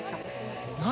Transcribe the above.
何？